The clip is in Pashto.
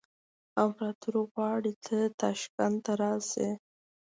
امپراطور غواړي ته تاشکند ته راشې.